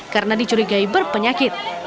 karena dicurigai berpenyakit